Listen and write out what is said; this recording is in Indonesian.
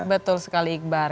betul sekali iqbar